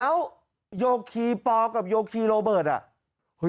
แล้วโยคีปอลกับโยคีโรเบิร์ตอ่ะ